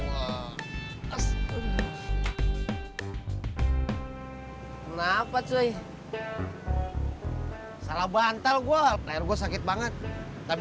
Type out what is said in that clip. kenapa cuy salah bantal gua air gua sakit banget tapi